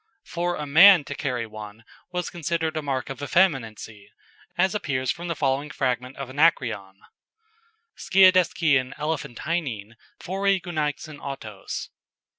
"] For a man to carry one was considered a mark of effeminacy, as appears from the following fragment of Anacreon: "_skiadiskaen elephantinaen phorei gunaixin autos.